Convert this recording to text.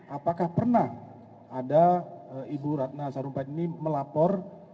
apakah pernah ada ibu ratna sarumpait ini melapor